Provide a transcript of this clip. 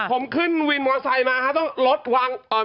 ผมขึ้นวินมอสไซค์มาครับ